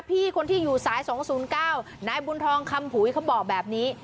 พี่คนที่อยู่สายสองศูนย์เก้านายบุญทรองคำผูยเขาบอกแบบนี้